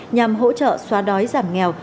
nhằm hỗ trợ xóa đói giảm nghèo